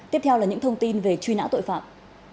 tiếp theo là những thông tin về truy nã tội phạm